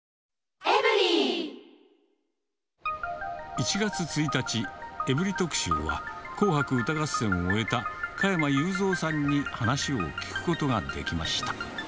１月１日、エブリィ特集は、紅白歌合戦を終えた加山雄三さんに話を聞くことができました。